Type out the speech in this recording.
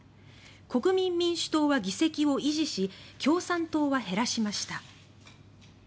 国民民主党は議席を維持し共産党は減らしました。